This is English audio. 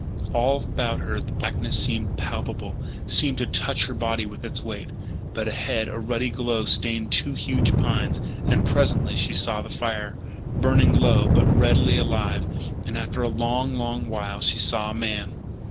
All about her the blackness seemed palpable seemed to touch her body with its weight; but, ahead, a ruddy glow stained two huge pines. And presently she saw the fire, burning low, but redly alive. And, after a long, long while, she saw a man.